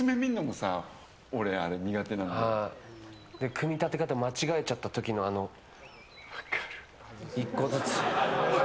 組み立て方間違えちゃった時のあの１個ずつ。